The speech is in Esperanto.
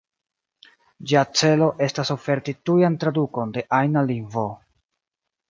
Ĝia celo estas oferti tujan tradukon de ajna lingvo.